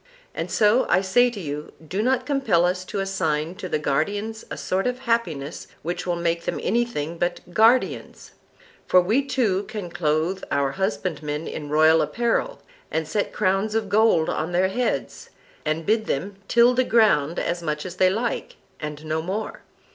And so I say to you, do not compel us to assign to the guardians a sort of happiness which will make them anything but guardians; for we too can clothe our husbandmen in royal apparel, and set crowns of gold on their heads, and bid them till the ground as much as they like, and no more.